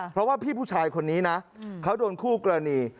เพราะว่าพี่ผู้ชายคนนี้นะเขาโดนคู่กรณี